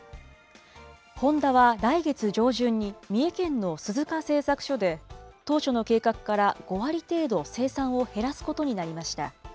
ホンダは来月上旬に三重県の鈴鹿製作所で、当初の計画から５割程度生産を減らすことになりました。